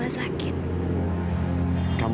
aku mau berbohong sama kamu